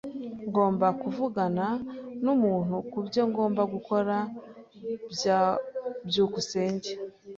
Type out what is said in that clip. Ngomba kuvugana numuntu kubyo ngomba gukora. byukusenge